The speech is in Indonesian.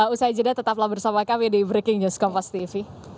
usai jeda tetaplah bersama kami di breaking news kompos tv